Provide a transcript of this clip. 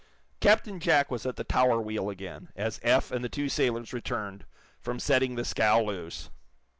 Captain Jack was at the tower wheel again, as Eph and the two sailors returned from setting the scow loose.